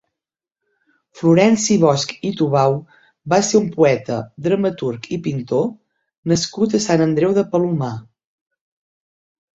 Florenci Bosch i Tubau va ser un poeta, dramaturg i pintor nascut a Sant Andreu de Palomar.